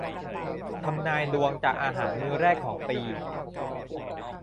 ทำนายดวงจากอาหารมื้อแรกของปี